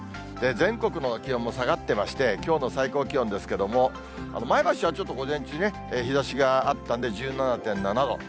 全国の気温も下がってまして、きょうの最高気温ですけれども、前橋はちょっと午前中、日ざしがあったんで１７．７度。